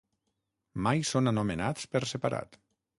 Mai són anomenats per separat.